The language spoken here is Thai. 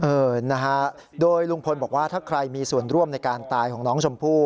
เออนะฮะโดยลุงพลบอกว่าถ้าใครมีส่วนร่วมในการตายของน้องชมพู่